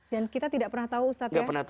dan kita tidak pernah tahu ustaz ya